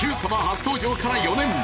初登場から４年。